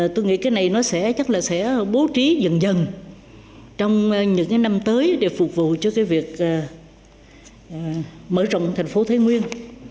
tôi nghĩ cái này nó sẽ chắc là sẽ bố trí dần dần trong những năm tới để phục vụ cho cái việc mở rộng thành phố thái nguyên